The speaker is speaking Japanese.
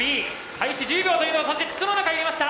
開始１０秒というそして筒の中に入れました。